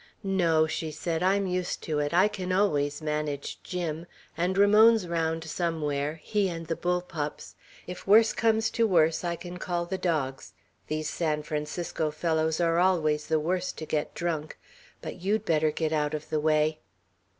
"No!" she said. "I'm used to it. I can always manage Jim. And Ramon's round somewhere, he and the bull pups; if worse comes to worse, I can call the dogs. These San Francisco fellows are always the worst to get drunk. But you'd better get out of the way!"